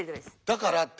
だからって。